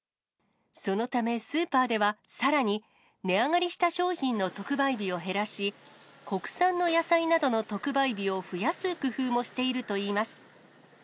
そのため、スーパーではさらに値上がりした商品の特売日を減らし、国産の野菜などの特売日を増やす工夫もしているといいます。